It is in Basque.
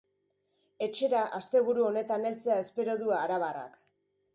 Etxera asteburu honetan heltzea espero du arabarrak.